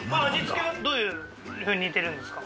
どういうふうに煮てるんですか？